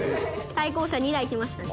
「対向車２台来ましたね」